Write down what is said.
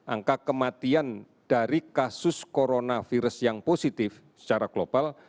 angka kematian dari kasus coronavirus yang positif secara global